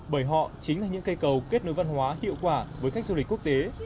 bởi họ chính là những cây cầu kết nối văn hóa hiệu quả với khách du lịch quốc tế